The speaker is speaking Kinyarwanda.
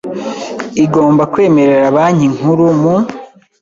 igomba kwemerera Banki Nkuru mu